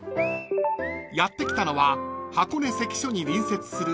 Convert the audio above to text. ［やって来たのは箱根関所に隣接する］